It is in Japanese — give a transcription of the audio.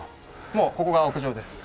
もうここが屋上です。